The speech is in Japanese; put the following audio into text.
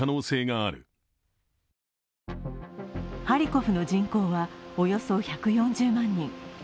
ハリコフの人口はおよそ１４０万人。